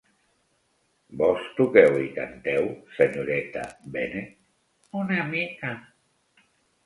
Vós toqueu i canteu, senyoreta Bennet?" "Una mica."